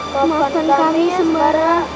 maafkan kami sembara